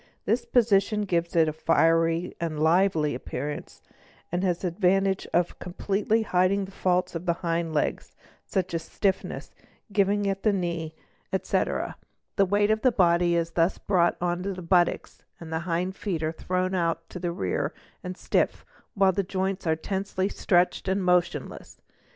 This position gives it a fiery and lively appearance and has the advantage of completely hiding" the faults of the hind legs, such as stiffness, giving at the knee, etc. The weight of the body is thus brought on to the buttocks, the hind feet are thrown out to the rear and stiff, while the joints are tensely stretched and motionless.